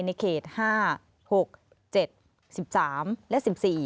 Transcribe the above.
ในเขต๕๖๗๑๓และ๑๔